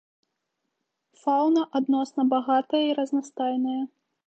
Фаўна адносна багатая і разнастайная.